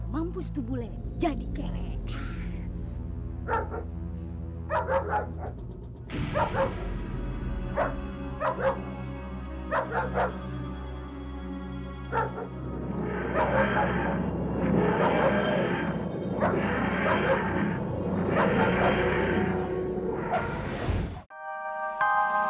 mampus tubuhnya jadi kerekan